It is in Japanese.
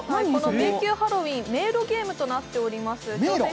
迷宮ハロウィーン、迷路ゲームとなっております。